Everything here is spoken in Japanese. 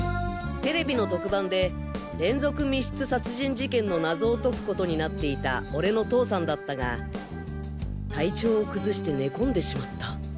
ＴＶの特番で連続密室殺人事件の謎を解くことになっていた俺の父さんだったが体調を崩して寝込んでしまった。